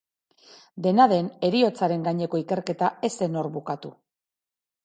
Dena den, heriotzaren gaineko ikerketa ez zen hor bukatu.